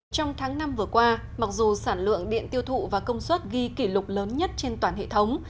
trong tháng năm vừa qua mặc dù sản lượng điện tiêu thụ và công suất ghi kỷ lục lớn nhất trên toàn hệ thống